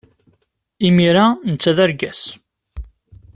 Imir-a netta d argaz.